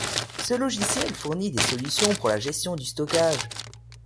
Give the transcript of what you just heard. Ce logiciel fournit des solutions pour la gestion du stockage.